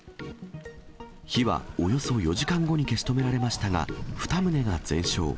火はおよそ４時間後に消し止められましたが、２棟が全焼。